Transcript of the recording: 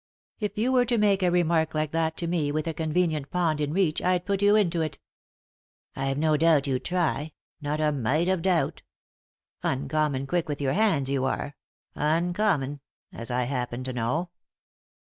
" If you were to make a remark like that to me with a convenient pond in reach I'd put you into it." " I've no doubt you'd try ; not a mite of doubt. Uncommon quick with your hands you are ; uncommon — as I happen to know."